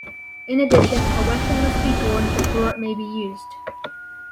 In addition, a weapon must be drawn before it may be used.